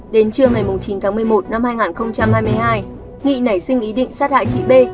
đến trưa ngày chín tháng một mươi một năm hai nghìn hai mươi hai nghị nảy sinh ý định sát hại chị b